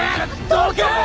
どけ！